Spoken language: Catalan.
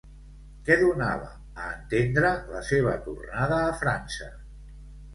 Què donava a entendre la seva tornada a França?